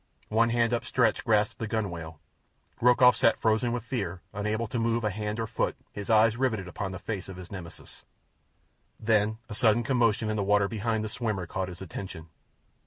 One hand upstretched grasped the gunwale. Rokoff sat frozen with fear, unable to move a hand or foot, his eyes riveted upon the face of his Nemesis. Then a sudden commotion in the water behind the swimmer caught his attention.